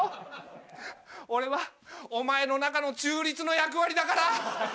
俺はお前の中の中立の役割だから。